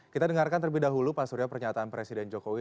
kita dengarkan terlebih dahulu pak surya pernyataan presiden jokowi